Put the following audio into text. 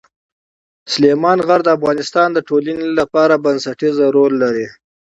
سلیمان غر د افغانستان د ټولنې لپاره بنسټيز رول لري.